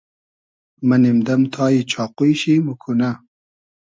مۂ نیم دئم تای چاقوی شی ، موکونۂ